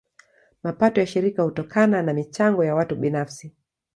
Mapato ya shirika hutokana na michango ya watu binafsi.